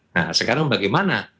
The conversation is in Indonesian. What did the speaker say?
nah sekarang bagaimana